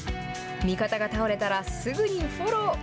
味方が倒れたら、すぐにフォロー。